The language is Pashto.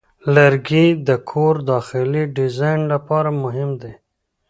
لرګی د کور داخلي ډیزاین لپاره مهم دی.